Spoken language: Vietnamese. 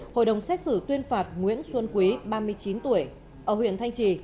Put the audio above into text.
hội đồng xét xử tuyên phạt nguyễn xuân quý ba mươi chín tuổi ở huyện thanh trì